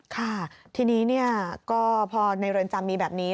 ค่ะทีนี้ก็พอในเรือนจำมีแบบนี้